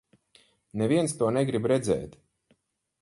Neviens to negrib redzēt.